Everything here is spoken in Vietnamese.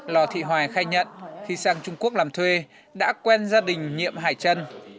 lo thị hoài khai nhận khi sang trung quốc làm thuê đã quen gia đình nhiệm hải trân